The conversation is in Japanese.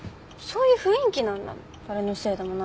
そういう雰囲気なんだもん。